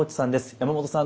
山本さん